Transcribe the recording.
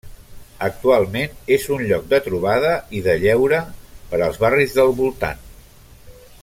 Actualment és un lloc de trobada i de lleure per als barris del voltant.